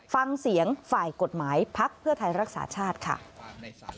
ฟังเสียงฝ่ายกฎหมายพักเพื่อไทยรักษาชาติค่ะ